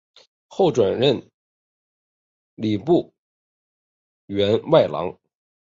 后转任礼部员外郎。